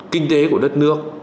kinh tế của đất nước